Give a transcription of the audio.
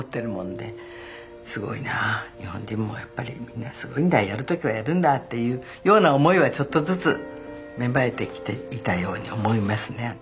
すごいなあ日本人もやっぱりみんなすごいんだやる時はやるんだっていうような思いはちょっとずつ芽生えてきていたように思いますね。